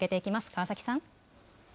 川崎さん。